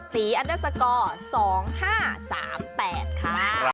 อันเดอร์สกอร์๒๕๓๘ค่ะ